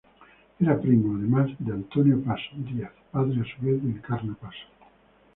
Era primo, además, de Antonio Paso Díaz, padre a su vez de Encarna Paso.